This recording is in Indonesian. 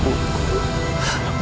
ibu nggak merasa punya anak retno